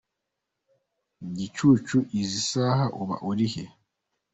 Gicucu izi saha uba uri he ?.